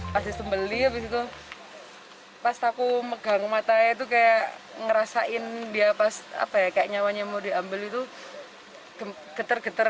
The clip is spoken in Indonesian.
pas disembelih pas aku megang matanya itu kayak ngerasain dia pas nyawanya mau diambil itu getar getar